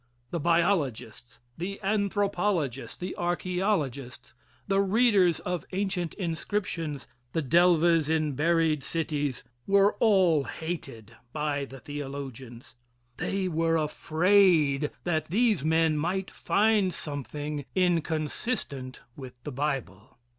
The biologists, the anthropologists, the archaeologists, the readers of ancient inscriptions, the delvers in buried cities, were all hated by the theologians. They were afraid that these men might find something inconsistent with the Bible.